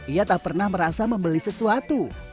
ia tak pernah merasa membeli sesuatu